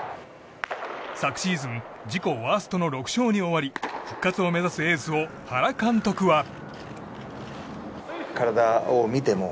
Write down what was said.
昨シーズン自己ワーストの６勝に終わり復活を目指すエースを原監督は。